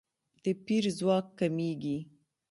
د پیر ځواک کمیږي.